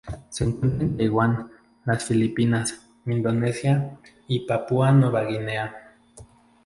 Se encuentra en Taiwán, las Filipinas, Indonesia y Papúa Nueva Guinea.